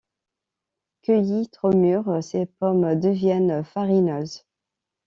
Cueillies trop mûres, ces pommes deviennent farineuses.